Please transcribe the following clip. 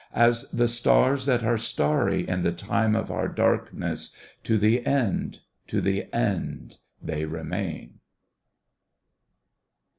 As the stars that are starry in the time of our darkness, To the end, to the end, they remain.